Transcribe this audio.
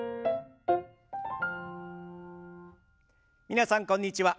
皆さんこんにちは。